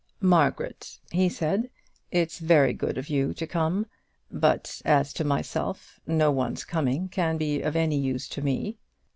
"Margaret," he said, "it's very good of you to come, but as to myself, no one's coming can be of any use to me."